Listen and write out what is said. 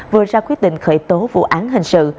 vừa ra quyết định khởi tố vụ án hình sự